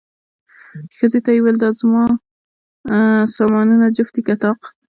ښځې ته یې وویل، دا زما سامانونه جفت دي که طاق؟